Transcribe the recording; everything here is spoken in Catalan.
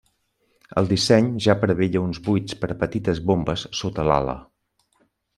El disseny ja preveia uns buits per a petites bombes sota l'ala.